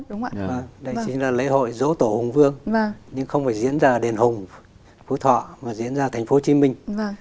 đây chính là lễ hội dỗ tổ hùng vương nhưng không phải diễn ra ở đền hùng phú thọ mà diễn ra ở thành phố hồ chí minh